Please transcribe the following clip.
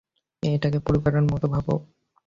এটাকে পরিবারের মতো ভাবো।